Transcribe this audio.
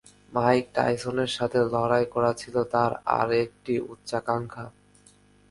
Mic টাইসনের সাথে লড়াই করা ছিল তার আরেকটি উচ্চাকাঙ্ক্ষা।